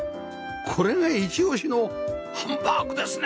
これがイチオシのハンバーグですね